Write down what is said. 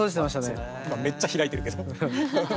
今めっちゃ開いてるけど。